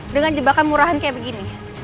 dengan jebakan murahan kayak begini